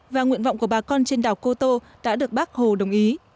và nguyện vọng của bà con trên đảo cô tô đã được bác hồ đồng ý